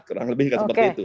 kurang lebih seperti itu